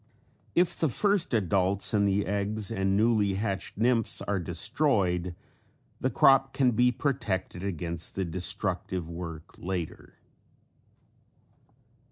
If the first adults and the eggs and newly hatched nymphs are destroyed the crop can be protected against the destructive work later.